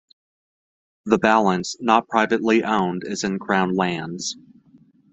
The balance, not privately owned is in Crown Lands.